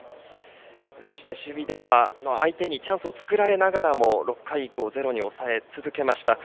守備では相手にチャンスを作られながらも６回以降ゼロに抑え続けました。